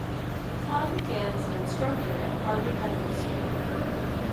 Kahn began as an instructor at Harvard Medical School.